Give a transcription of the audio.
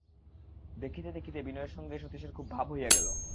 দেখিতে দেখিতে বিনয়ের সঙ্গে সতীশের খুব ভাব হইয়া গেল।